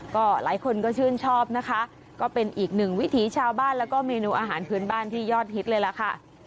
ก็หลายคนก็ชื่นชอบนะคะก็เป็นอีกหนึ่งวิถีชาวบ้านแล้วก็เมนูอาหารพื้นบ้านที่ยอดฮิตเลยล่ะค่ะ